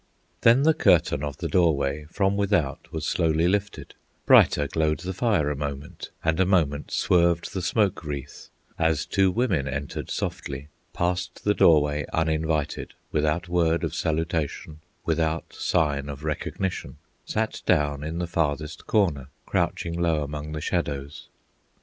Then the curtain of the doorway From without was slowly lifted; Brighter glowed the fire a moment, And a moment swerved the smoke wreath, As two women entered softly, Passed the doorway uninvited, Without word of salutation, Without sign of recognition, Sat down in the farthest corner, Crouching low among the shadows.